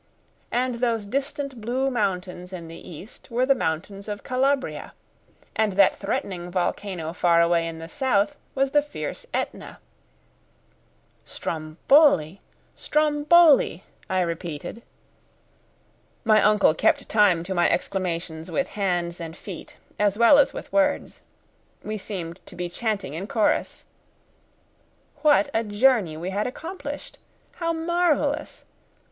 And those distant blue mountains in the east were the mountains of Calabria. And that threatening volcano far away in the south was the fierce Etna. "Stromboli, Stromboli!" I repeated. My uncle kept time to my exclamations with hands and feet, as well as with words. We seemed to be chanting in chorus! What a journey we had accomplished! How marvellous!